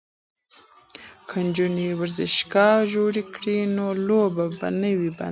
که نجونې ورزشگاه جوړ کړي نو لوبه به نه وي بنده.